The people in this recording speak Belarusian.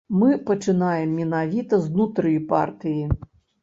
Мы пачынаем менавіта знутры партыі.